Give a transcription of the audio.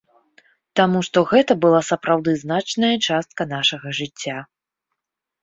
Таму што гэта была сапраўды значная частка нашага жыцця.